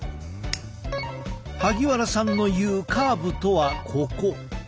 萩原さんの言うカーブとはここ。